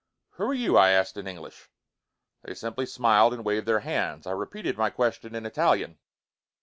"Who are you?" I asked in English. They simply smiled and waved their hands. I repeated my question in Italian.